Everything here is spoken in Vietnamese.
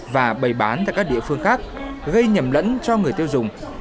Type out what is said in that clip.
và bày bán tại các địa phương khác gây nhầm lẫn cho người tiêu dùng